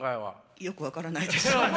よく分からないです。